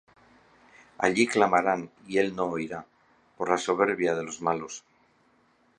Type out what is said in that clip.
Allí clamarán, y él no oirá, Por la soberbia de los malos.